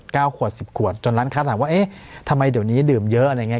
ขวดสิบขวดจนร้านค้าถามว่าเอ๊ะทำไมเดี๋ยวนี้ดื่มเยอะอะไรอย่างเง